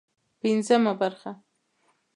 پنځمه برخه